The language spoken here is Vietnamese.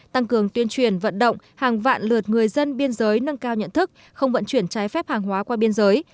tăng cường tuyên truyền vận động hàng vạn lượt người dân biên giới nâng cao nhận thức không vận chuyển trái phép hàng hóa qua biên giới